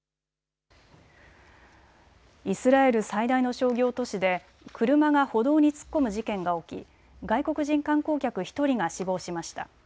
イスラエル最大の商業都市で車が歩道に突っ込む事件が起き外国人観光客１人が死亡しました。